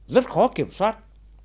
rất khó kiểm soát